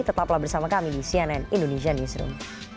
tetaplah bersama kami di cnn indonesia newsroom